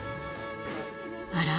あら？